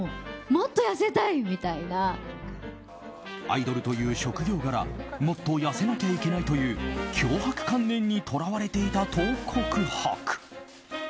アイドルという職業柄もっと痩せなきゃいけないという強迫観念にとらわれていたと告白。